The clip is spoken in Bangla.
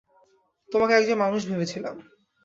তোমাকে একজন মানুষ ভেবেছিলাম।